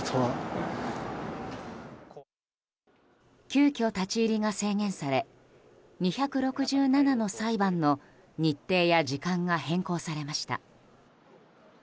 急きょ立ち入りが制限され２６７の裁判の日程や時間が変更されました。